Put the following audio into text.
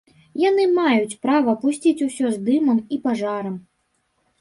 Яны маюць права пусціць усё з дымам і пажарам.